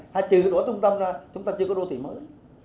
hả trừ đổ trung tâm ra chúng ta chưa có đô thị mới